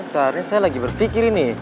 tadi saya lagi berpikir ini